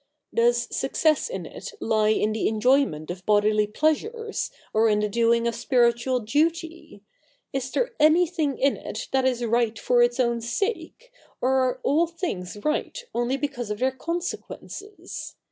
Does success in it lie in the enjoyment of bodily pleasures, or in the doing of spiritual duty ? Is there anything in it that is right for its own sake, or are all things right only because of their consequences